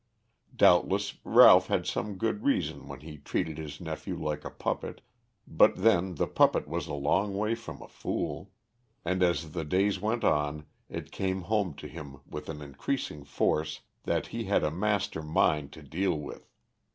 Doubtless Ralph had some good reason when he treated his nephew like a puppet, but then the puppet was a long way from a fool, and as the days went on, it came home to him with an increasing force that he had a master mind to deal with.